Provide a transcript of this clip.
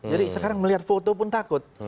jadi sekarang melihat foto pun takut